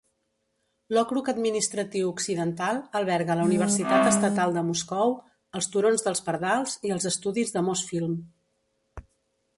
L'Okrug Administratiu Occidental alberga la Universitat Estatal de Moscou, els turons dels Pardals i els estudis de Mosfilm.